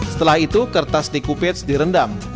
setelah itu kertas likupits direndam